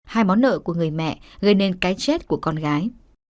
hai món nợ của người mẹ gây nên cái chết của con gái